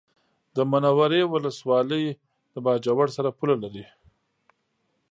د منورې ولسوالي د باجوړ سره پوله لري